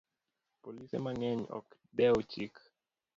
Polise mang'eny ok dew chik